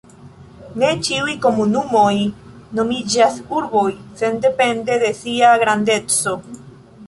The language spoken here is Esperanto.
Ne ĉiuj komunumoj nomiĝas urboj, sendepende de sia grandeco.